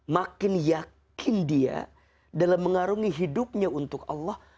makin yakin dia dalam mengarungi hidupnya untuk allah